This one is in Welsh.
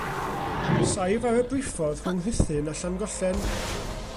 Saif ar y briffordd rhwng Rhuthun a Llangollen.